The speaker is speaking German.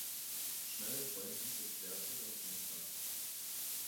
Schnell freunden sich Bertil und Mr.